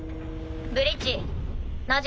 ブリッジ。